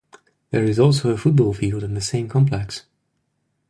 There is also a football field in the same complex.